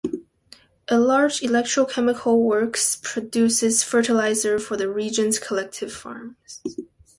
A large electrochemical works produces fertilizer for the region's collective farms.